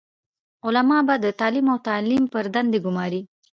علماء به د تعليم او تعلم پر دندي ګماري،